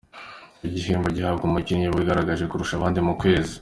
Icyo gihembo gihabwa umukinnyi wigaragaje kurusha abandi mu kwezi.